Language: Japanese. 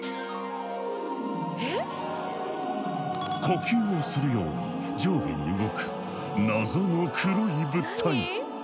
呼吸をするように上下に動く謎の黒い物体。